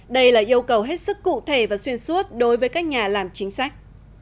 đây là yêu cầu hết sức cụ thể và xuyên suốt đối với các nhà làm chính sách